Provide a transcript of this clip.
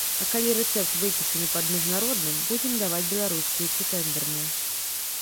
А калі рэцэпт выпісаны пад міжнародным, будзем даваць беларускія ці тэндэрныя.